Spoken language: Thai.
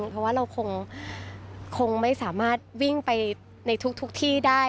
เพราะว่าเราคงไม่สามารถวิ่งไปในทุกที่ได้